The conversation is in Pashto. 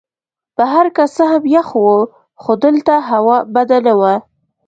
بهر که څه هم یخ وو خو دلته هوا بده نه وه.